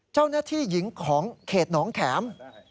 เจ้าหน้าที่หญิงของเขตหนองแข็ม